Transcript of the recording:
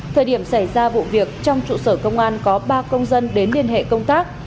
thời điểm xảy ra vụ việc trong trụ sở công an có ba công dân đến liên hệ công tác